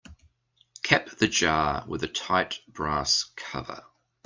Cap the jar with a tight brass cover.